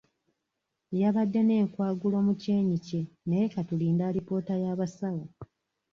Yabadde n'enkwagulo mu kyenyi kye naye ka tulinde alipoota y'abasawo.